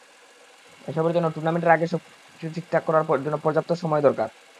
এসবের জন্য টুর্নামেন্টের আগে সবকিছু ঠিকঠাক করার জন্য পর্যাপ্ত সময় দরকার।